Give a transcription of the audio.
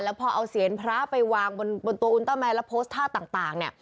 แล้วพอเอาเสียงพระไปวางบนตัวอุนเตอร์แมนและโพสต์ธาตุต่าง